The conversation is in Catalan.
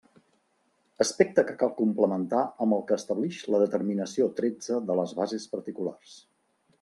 Aspecte que cal complementar amb el que establix la determinació tretze de les bases particulars.